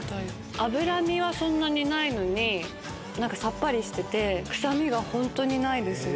脂身はそんなにないのに、なんかさっぱりしてて、臭みが本当にないです。